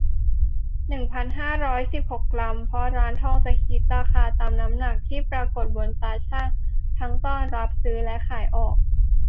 หนึ่งพันห้าร้อยสิบหก กรัม เพราะร้านทองจะคิดราคาตามน้ำหนักที่ปรากฏบนตาชั่งทั้งตอนรับซื้อและขายออก